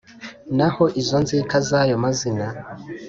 Naho izo nzika z`ayo mazina